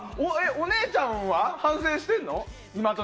お姉ちゃんは反省してるの？